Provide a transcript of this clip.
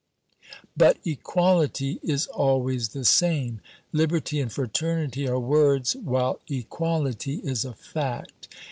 But equality is always the same. Liberty and fraternity are words while equality is a fact.